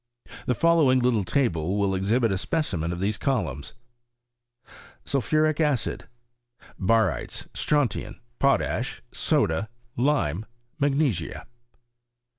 The following Uttle table will exhil^t a specimen of these columns: Sulphuric Acid. Barytes Strontian Potash Soda Lime Magnesia.